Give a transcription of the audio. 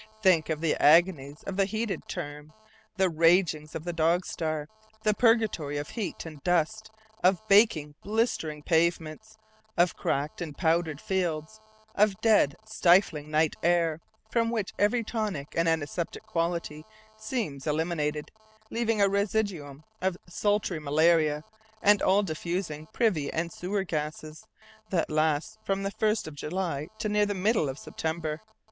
Think of the agonies of the heated term, the ragings of the dog star, the purgatory of heat and dust, of baking, blistering pavements, of cracked and powdered fields, of dead, stifling night air, from which every tonic and antiseptic quality seems eliminated, leaving a residuum of sultry malaria and all diffusing privy and sewer gases, that lasts from the first of July to near the middle of September!